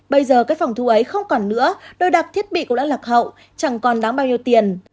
bây giờ các phòng thu ấy không còn nữa đồ đạc thiết bị cũng đã lạc hậu chẳng còn đáng bao nhiêu tiền